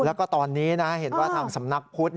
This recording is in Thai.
แล้วก็ตอนนี้นะเห็นว่าทางสำนักพุทธ